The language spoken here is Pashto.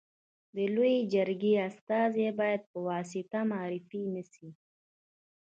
د لويي جرګي استازي باید په واسطه معرفي نه سي.